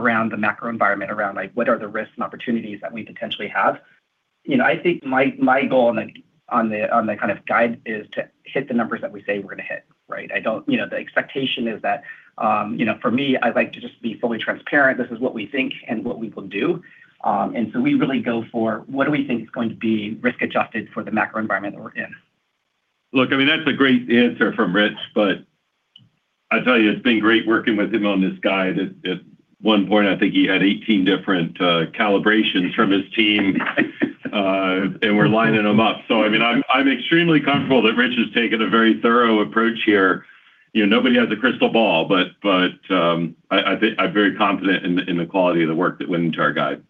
around the macro environment, around, like, what are the risks and opportunities that we potentially have. You know, I think my, my goal on the, on the, on the kind of guide is to hit the numbers that we say we're gonna hit, right? I don't, you know, the expectation is that, you know, for me, I'd like to just be fully transparent. This is what we think and what we will do. And so we really go for what do we think is going to be risk-adjusted for the macro environment that we're in. Look, I mean, that's a great answer from Rich, but I tell you, it's been great working with him on this guide. At one point, I think he had 18 different calibrations from his team, and we're lining them up. So I mean, I'm extremely comfortable that Rich has taken a very thorough approach here. You know, nobody has a crystal ball, but I think I'm very confident in the quality of the work that went into our guide.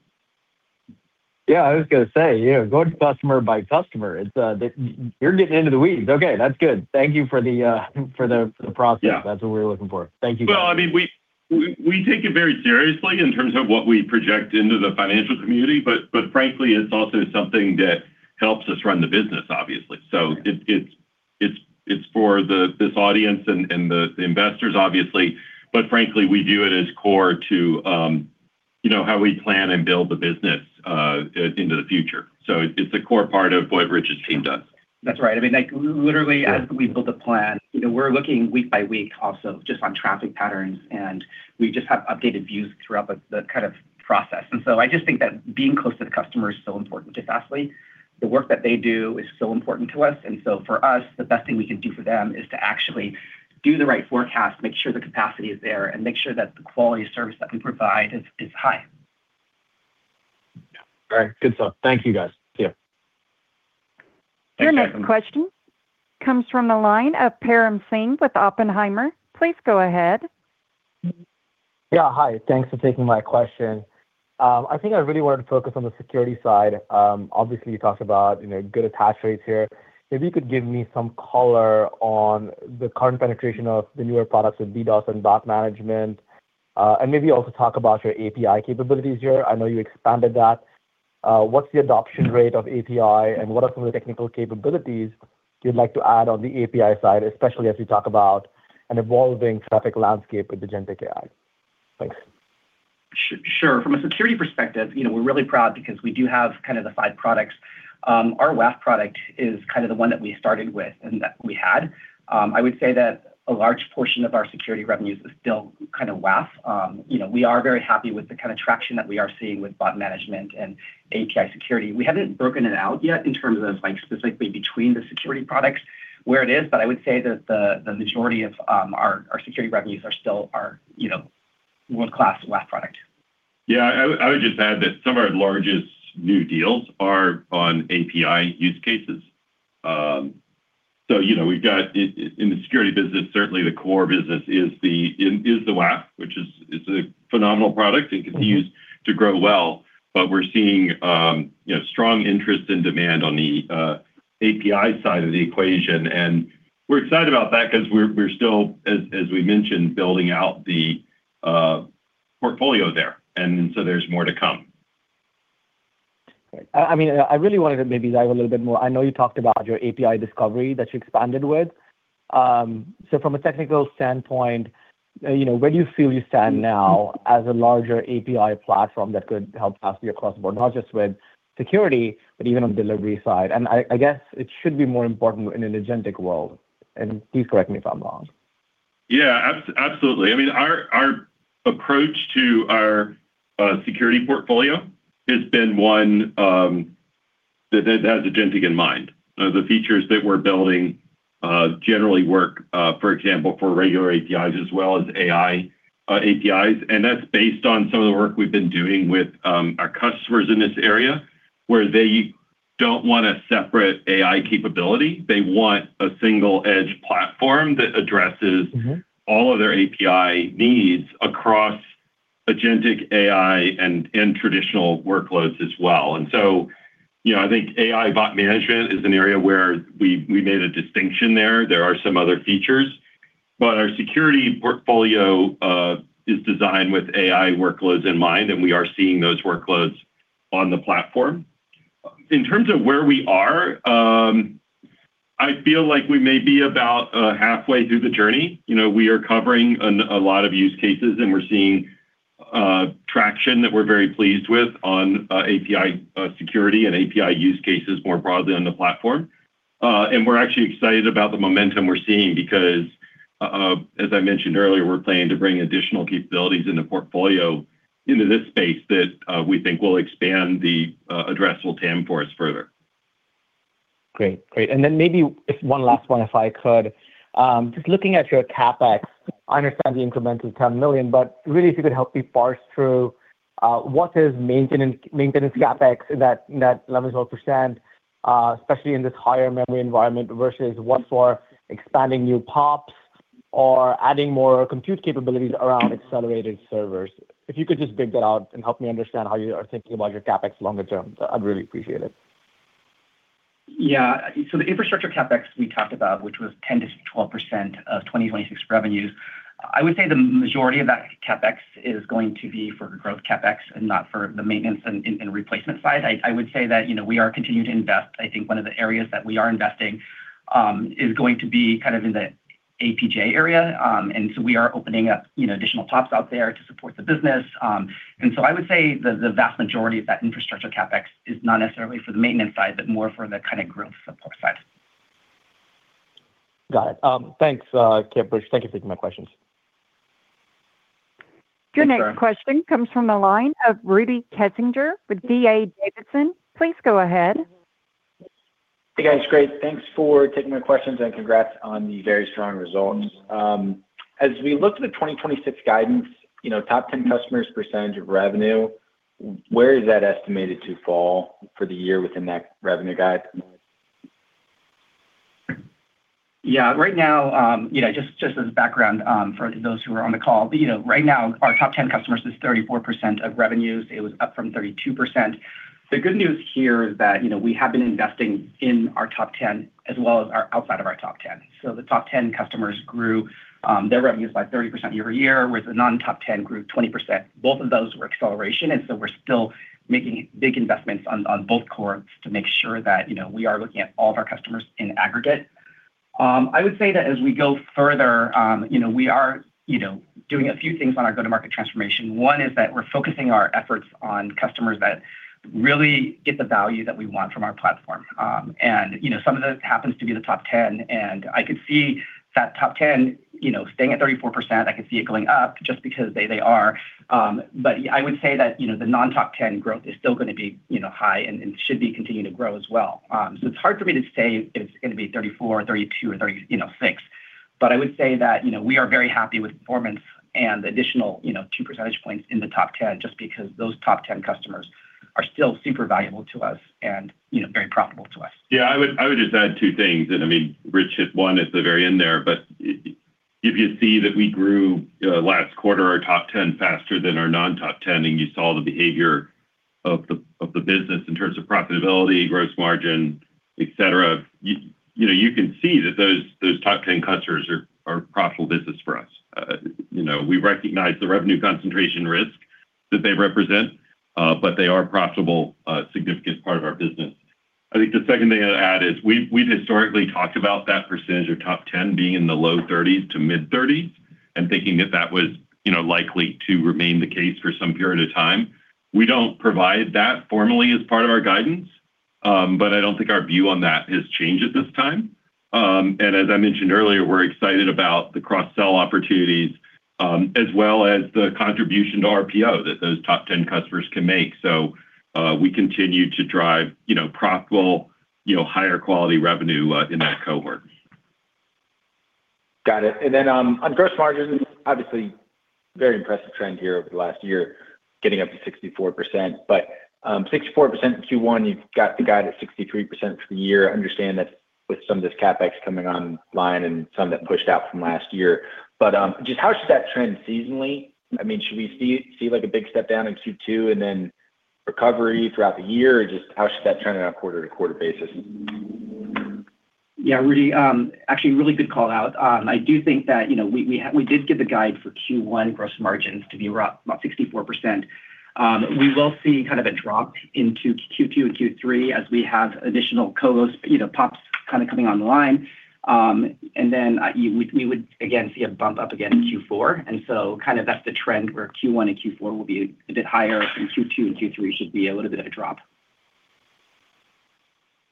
Yeah, I was gonna say, yeah, going customer-by-customer, it's that you're getting into the weeds. Okay, that's good. Thank you for the process. That's what we're looking for. Thank you. Well, I mean, we take it very seriously in terms of what we project into the financial community, but frankly, it's also something that helps us run the business, obviously. So it's for this audience and the investors, obviously, but frankly, we view it as core to, you know, how we plan and build the business into the future. So it's a core part of what Rich's team does. That's right. I mean, like, literally, as we build the plan, you know, we're looking week-by-week also just on traffic patterns, and we just have updated views throughout the kind of process. And so I just think that being close to the customer is so important to Fastly. The work that they do is so important to us, and so for us, the best thing we can do for them is to actually do the right forecast, make sure the capacity is there, and make sure that the quality of service that we provide is high. All right. Good stuff. Thank you, guys. See you. Your next question comes from the line of Param Singh with Oppenheimer. Please go ahead. Yeah, hi. Thanks for taking my question. I think I really wanted to focus on the security side. Obviously, you talked about, you know, good attach rates here. Maybe you could give me some color on the current penetration of the newer products with DDoS and bot management, and maybe also talk about your API capabilities here. I know you expanded that. What's the adoption rate of API, and what are some of the technical capabilities you'd like to add on the API side, especially as we talk about an evolving traffic landscape with agentic AI? Thanks. Sure. From a security perspective, you know, we're really proud because we do have kind of the five products. Our WAF product is kind of the one that we started with and that we had. I would say that a large portion of our security revenues is still kind of WAF. You know, we are very happy with the kind of traction that we are seeing with bot management and API security. We haven't broken it out yet in terms of, like, specifically between the security products where it is, but I would say that the majority of our security revenues are still our, you know, world-class WAF product. Yeah, I would, I would just add that some of our largest new deals are on API use cases. So you know, we've got in the security business, certainly the core business is the WAF, which is a phenomenal product and continues to grow well. But we're seeing, you know, strong interest and demand on the API side of the equation, and we're excited about that 'cause we're still, as we mentioned, building out the portfolio there, and so there's more to come. Great. I mean, I really wanted to maybe dive a little bit more. I know you talked about your API Discovery that you expanded with. So from a technical standpoint, you know, where do you feel you stand now as a larger API platform that could help Fastly across the board, not just with security, but even on delivery side? And I, I guess it should be more important in an agentic world, and please correct me if I'm wrong. Yeah, absolutely. I mean, our approach to our security portfolio has been one that has agentic in mind. The features that we're building, for example, for regular APIs as well as AI APIs. And that's based on some of the work we've been doing with our customers in this area, where they don't want a separate AI capability. They want a single-edge platform that addresses all of their API needs across agentic AI and traditional workloads as well. And so, you know, I think AI bot management is an area where we made a distinction there. There are some other features, but our security portfolio is designed with AI workloads in mind, and we are seeing those workloads on the platform. In terms of where we are, I feel like we may be about halfway through the journey. You know, we are covering a lot of use cases, and we're seeing traction that we're very pleased with on API security and API use cases more broadly on the platform. We're actually excited about the momentum we're seeing because, as I mentioned earlier, we're planning to bring additional capabilities in the portfolio into this space that we think will expand the addressable TAM for us further. Great. Great. And then maybe just one last one, if I could. Just looking at your CapEx, I understand the incremental $10 million, but really, if you could help me parse through what is maintenance maintenance CapEx that let me well understand, especially in this higher memory environment, versus what's for expanding new POPs or adding more compute capabilities around accelerated servers? If you could just dig that out and help me understand how you are thinking about your CapEx longer term, I'd really appreciate it. Yeah. So the infrastructure CapEx we talked about, which was 10%-12% of 2026 revenues, I would say the majority of that CapEx is going to be for growth CapEx and not for the maintenance and replacement side. I, I would say that, you know, we are continuing to invest. I think one of the areas that we are investing is going to be kind of in the APJ area. And so we are opening up, you know, additional POPs out there to support the business. And so I would say the vast majority of that infrastructure CapEx is not necessarily for the maintenance side, but more for the kind of growth support side. Got it. Thanks, Kip. Rich, thank you for taking my questions. Your next question comes from the line of Rudy Kessinger with D.A. Davidson. Please go ahead. Hey, guys, great. Thanks for taking my questions, and congrats on the very strong results. As we look to the 2026 guidance, you know, top ten customers, percentage of revenue, where is that estimated to fall for the year within that revenue guide? Yeah, right now, you know, just as background, for those who are on the call, but, you know, right now, our top 10 customers is 34% of revenues. It was up from 32%. The good news here is that, you know, we have been investing in our top 10 as well as our outside of our top 10. So the top 10 customers grew their revenues by 30% year-over-year, with the non-top 10 grew 20%. Both of those were acceleration, and so we're still making big investments on both cores to make sure that, you know, we are looking at all of our customers in aggregate. I would say that as we go further, you know, we are doing a few things on our go-to-market transformation. One is that we're focusing our efforts on customers that really get the value that we want from our platform. And, you know, some of that happens to be the top ten, and I could see that top ten, you know, staying at 34%, I could see it going up just because they, they are. But I would say that, you know, the non-top ten growth is still gonna be, you know, high and, and should be continuing to grow as well. So it's hard for me to say if it's gonna be 34% or 32% or 36%. But I would say that, you know, we are very happy with performance and additional, you know, two percentage points in the top 10 just because those top ten customers are still super valuable to us and, you know, very profitable to us. Yeah, I would just add two things. I mean, Rich hit one at the very end there, but if you see that we grew last quarter, our top 10 faster than our non-top 10, and you saw the behavior of the business in terms of profitability, gross margin, etc., you know, you can see that those top 10 customers are profitable business for us. You know, we recognize the revenue concentration risk that they represent, but they are a profitable significant part of our business. I think the second thing I'd add is we've historically talked about that percentage of top 10 being in the low 30s to mid-30s and thinking that that was, you know, likely to remain the case for some period of time. We don't provide that formally as part of our guidance, but I don't think our view on that has changed at this time. As I mentioned earlier, we're excited about the cross-sell opportunities, as well as the contribution to RPO that those top 10 customers can make. So, we continue to drive, you know, profitable, you know, higher quality revenue, in that cohort. Got it. And then, on gross margins, obviously, very impressive trend here over the last year, getting up to 64%. But, 64% in Q1, you've got the guide at 63% for the year. I understand that with some of this CapEx coming online and some of that pushed out from last year. But, just how should that trend seasonally? I mean, should we see like a big step down in Q2 and then recovery throughout the year, or just how should that trend on a quarter-to-quarter basis? Yeah, Rudy, actually, really good call out. I do think that, you know, we had—we did give the guide for Q1 gross margins to be around about 64%. We will see kind of a drop into Q2 and Q3 as we have additional colos, you know, POPs kind of coming online. And then, we would again see a bump up again in Q4. And so kind of that's the trend where Q1 and Q4 will be a bit higher, and Q2 and Q3 should be a little bit of a drop.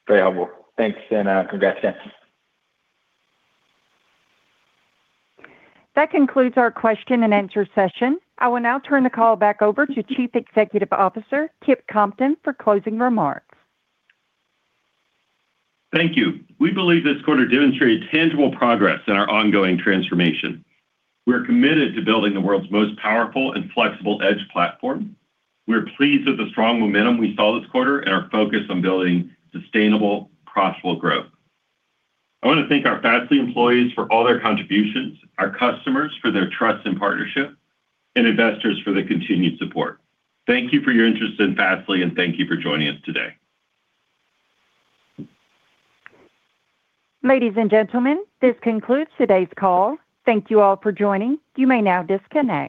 Very helpful. Thanks, and, congrats again. That concludes our question-and-answer session. I will now turn the call back over to Chief Executive Officer, Kip Compton, for closing remarks. Thank you. We believe this quarter demonstrated tangible progress in our ongoing transformation. We're committed to building the world's most powerful and flexible edge platform. We're pleased with the strong momentum we saw this quarter and are focused on building sustainable, profitable growth. I want to thank our Fastly employees for all their contributions, our customers for their trust and partnership, and investors for their continued support. Thank you for your interest in Fastly, and thank you for joining us today. Ladies and gentlemen, this concludes today's call. Thank you all for joining. You may now disconnect.